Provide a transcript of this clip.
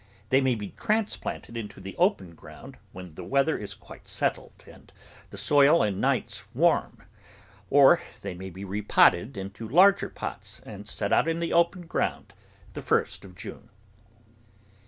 They may be transplanted into the open ground when the weather is quite settled and the soil and nights warm, or they may be repotted into larger pots and set out in the open ground the first of June.